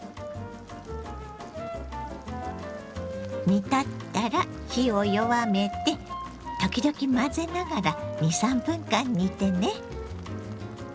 煮立ったら火を弱めて時々混ぜながら２３分間煮てね。